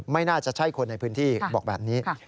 ไม่น่าจะใช่คนในพื้นที่บอกแบบนี้